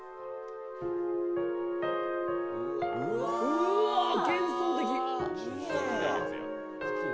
うわっ、幻想的。